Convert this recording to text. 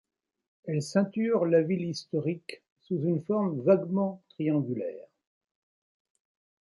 Elle ceinture la ville historique sous une forme vaguement triangulaire.